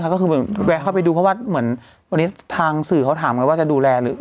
ก็แวะเข้าไปดูเพราะว่าเท่าที่ทางสื่อเขาถามว่าจะดูแล